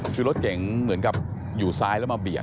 คือรถเก๋งเหมือนกับอยู่ซ้ายแล้วมาเบียด